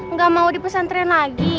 nggak mau dipesantren lagi